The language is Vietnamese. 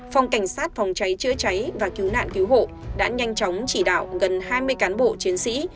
phòng cảnh sát phòng cháy chữa cháy và cứu nạn cứu hộ đã nhanh chóng chỉ đạo gần hai mươi cán bộ chiến sĩ